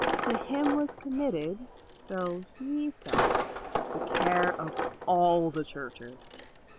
To him was committed, so he felt, the care of all the churches.